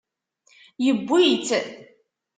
Yewwi-tt.